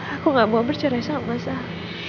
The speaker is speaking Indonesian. aku gak mau bercerai sama saya